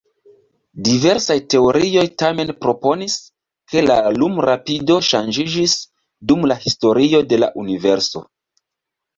Diversaj teorioj tamen proponis, ke la lumrapido ŝanĝiĝis dum la historio de la universo.